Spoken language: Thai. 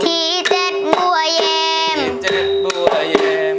ที่เจ็ดบัวแยม